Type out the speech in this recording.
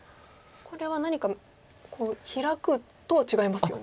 これは何かヒラくとは違いますよね。